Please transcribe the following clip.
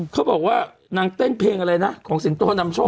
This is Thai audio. เขาบอกว่านางเต้นเพลงอะไรนะของสิงโตนำโชค